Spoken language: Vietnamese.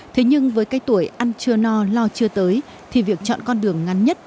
thế nhưng với cái tuổi ăn chưa no lo chưa tới thì việc chọn con đường ngắn nhất